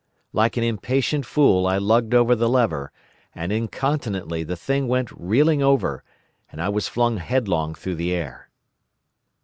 Like an impatient fool, I lugged over the lever, and incontinently the thing went reeling over, and I was flung headlong through the air.